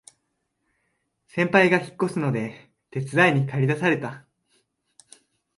先輩が引っ越すので手伝いにかり出された